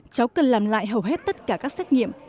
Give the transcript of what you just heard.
cháu cần làm lại hầu hết tất cả các xét nghiệm